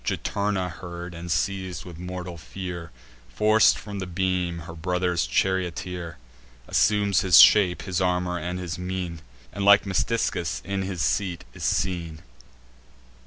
Juturna heard, and, seiz'd with mortal fear, Forc'd from the beam her brother's charioteer; Assumes his shape, his armour, and his mien, And, like Metiscus, in his seat is seen.